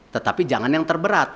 tetapi jangan yang terberat